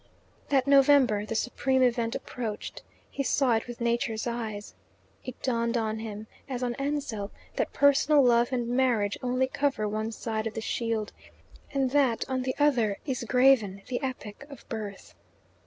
That November the supreme event approached. He saw it with Nature's eyes. It dawned on him, as on Ansell, that personal love and marriage only cover one side of the shield, and that on the other is graven the epic of birth.